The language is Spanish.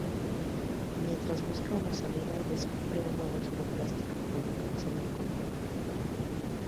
Mientras busca una salida, descubre una bolsa de plástico con una cabeza de conejo.